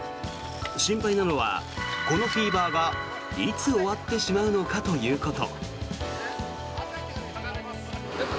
心配なのは、このフィーバーがいつ終わってしまうのかということ。